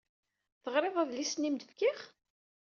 Teɣriḍ adlis-nni i m-d-fkiɣ?